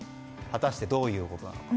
果たしてどういうことなのか。